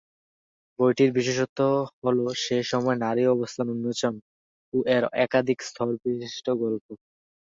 বইটির বিশেষত্ব হল সে সময়ে নারী অবস্থান উন্মোচন ও এর একাধিক-স্তর বিশিষ্ট গল্প।